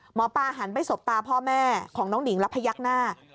หมอปลาหันไปสบตาพ่อแม่ของน้องหนิงแล้วพยักหน้า